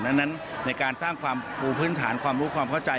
ดังนั้นในการสร้างความปูพื้นฐานความรู้ความเข้าใจ